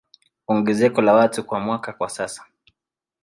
Ongezeko la watu kwa mwaka kwa sasa